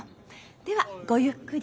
ではごゆっくり。